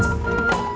masih ada yang nangis